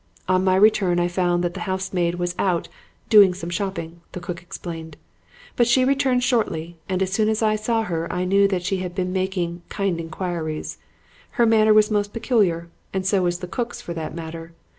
"On my return I found that the housemaid was out, 'doing some shopping,' the cook explained. But she returned shortly, and as soon as I saw her I knew that she had been making 'kind inquiries.' Her manner was most peculiar, and so was the cook's for that matter.